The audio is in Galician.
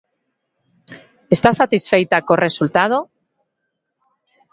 Está satisfeita co resultado?